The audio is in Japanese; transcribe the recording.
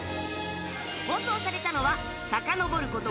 放送されたのは、さかのぼること